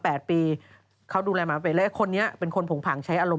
หมามา๘ปีเขาดูแลหมามา๘ปีแล้วคนนี้เป็นคนผงผังใช้อารมณ์